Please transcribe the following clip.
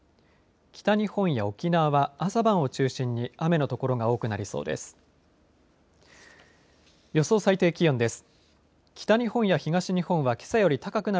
北日本や沖縄は朝晩を中心に雨の所が多くなりそうです。